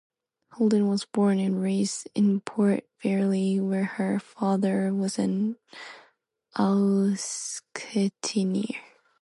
Holden was born and raised in Port Fairy, where her father was an auctioneer.